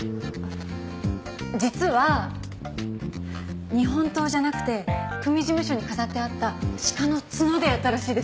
実は日本刀じゃなくて組事務所に飾ってあった鹿の角でやったらしいです。